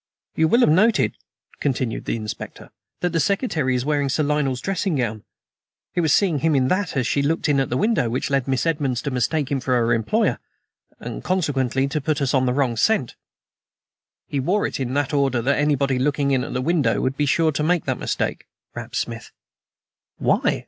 "You will have noted," continued the Inspector, "that the secretary is wearing Sir Lionel's dressing gown. It was seeing him in that, as she looked in at the window, which led Miss Edmonds to mistake him for her employer and consequently to put us on the wrong scent." "He wore it in order that anybody looking in at the window would be sure to make that mistake," rapped Smith. "Why?"